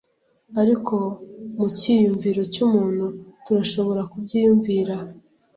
ariko mu cyiyumviro cy'umuntu turashobora kubyiyumvira